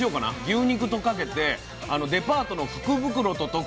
牛肉とかけてデパートの福袋ととく。